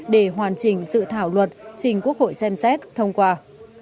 để hoàn chỉnh dự thảo luật trình quốc hội xem xét thông qua